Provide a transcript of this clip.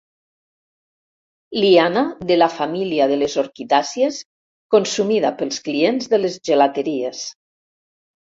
Liana de la família de les orquidàcies consumida pels clients de les gelateries.